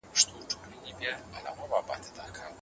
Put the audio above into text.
بهرني لښکرونه به د افغانستان له لاري تګ نه کوي.